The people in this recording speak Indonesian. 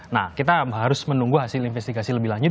nah kita harus menunggu hasil investigasi lebih lanjut